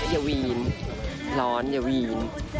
อย่าวีนร้อนอย่าวีน